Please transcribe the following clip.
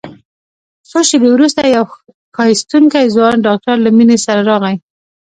څو شېبې وروسته يو ښايستوکى ځوان ډاکتر له مينې سره راغى.